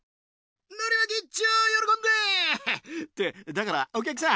のりまき１丁よろこんでってだからお客さん！